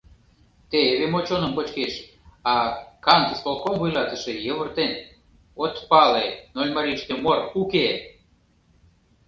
Теве мо чоным кочкеш, а кантисполком вуйлатыше йывыртен: от пале — Нольмарийыште мор уке!